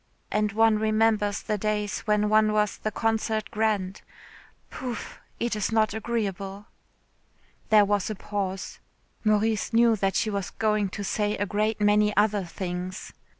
And one remembers the days when one was the concert grand. Pouf. It is not agreeable." There was a pause. Maurice knew that she was going to say a great many other things.